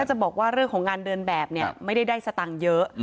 แค่จะบอกว่าเรื่องของงานเดินแบบไม่ได้ได้สตั่งเยอะ